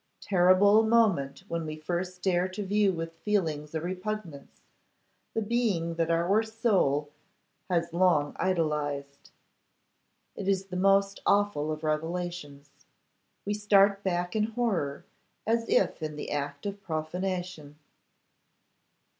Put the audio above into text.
Terrible moment when we first dare to view with feelings of repugnance the being that our soul has long idolised! It is the most awful of revelations. We start back in horror, as if in the act of profanation.